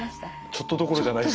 ちょっとどころじゃないです。